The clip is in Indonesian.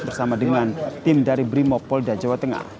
bersama dengan tim dari brimopolda jawa tengah